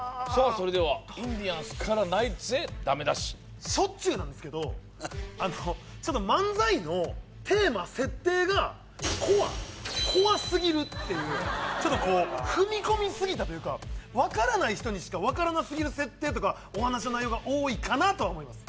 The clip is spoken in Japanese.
それではインディアンスからナイツへダメ出ししょっちゅうなんですけどあのちょっと漫才のテーマ設定がコアコアすぎるっていうちょっとこう踏み込みすぎたというか分からない人にしか分からなすぎる設定とかお話の内容が多いかなとは思います